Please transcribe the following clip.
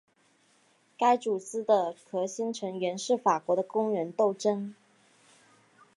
该组织的核心成员是法国的工人斗争。